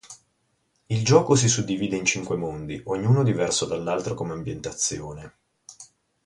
Il gioco si suddivide in cinque mondi, ognuno diverso dall'altro come ambientazione.